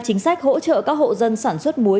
chính sách hỗ trợ các hộ dân sản xuất muối